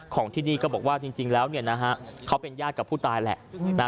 ของที่นี่ก็บอกว่าจริงแล้วเขาเป็นญาติกับผู้ตายแหละ